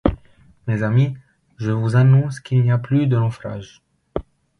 Mes amis, je vous annonce qu’il n’y a plus de naufrages.